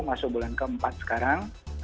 masuk bulan keempat sekarang